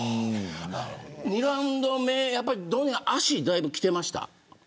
２ラウンド目ドネア足、だいぶきてましたか。